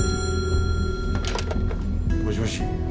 ☎もしもし。